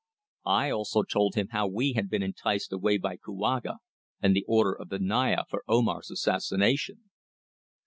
I also told him how we had been enticed away by Kouaga, and the order of the Naya for Omar's assassination.